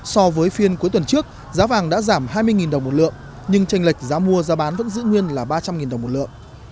so với phiên cuối tuần trước giá vàng đã giảm hai mươi đồng một lượng nhưng tranh lệch giá mua giá bán vẫn giữ nguyên là ba trăm linh đồng một lượng